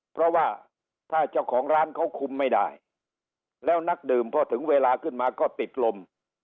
เพราะว่าถ้าเจ้าของร้านเขาคุมไม่ได้แล้วนักดื่มพอถึงเวลาขึ้นมาก็ติดลม